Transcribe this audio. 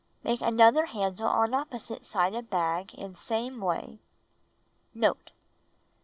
Make another handle on opposite side of bag in same way. Note.